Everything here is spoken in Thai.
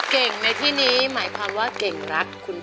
เก่งในที่นี้หมายความว่าเก่งรักคุณพ่อ